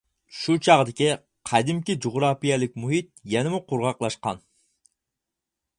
شۇ چاغدىكى قەدىمكى جۇغراپىيەلىك مۇھىت يەنىمۇ قۇرغاقلاشقان.